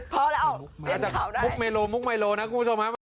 พอแล้วเรียนข่าวได้